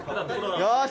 よし！